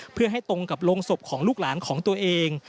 เพื่อให้ตรงกับโรงศพของลูกหลานของตัวเอง